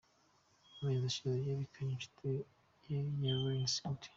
Mu mezi ashize yerekanye inshuti ye Lael S.